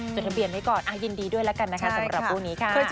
จดทะเบียนไว้ก่อนยินดีด้วยแล้วกันนะคะสำหรับคู่นี้ค่ะ